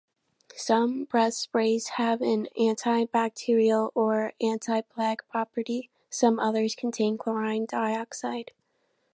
Some breath sprays have an antibacterial or anti-plaque property; some others contain chlorine dioxide.